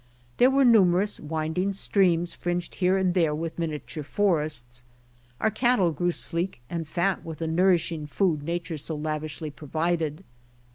There were numerous winding streams fringed here and there with miniature forests. Our cattle grew sleek and fat with the nourishing food nature so lavishly provided.